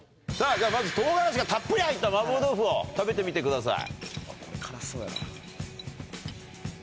まず唐辛子がたっぷり入った麻婆豆腐を食べてみてください。